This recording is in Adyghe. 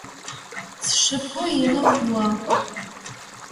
Сшыпхъу ины хъугъэ.